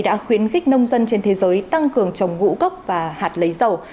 đã khuyến khích nông dân trên thế giới tăng cường trồng ngũ cốc và hạt lấy dầu